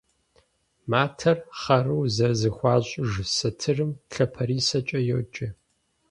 Матэр хъару зэрызэхуащӏыж сатырым лъапэрисэкӏэ йоджэ.